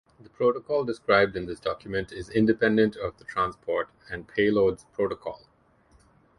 The protocol described in this document is independent of the transport and payload's protocol.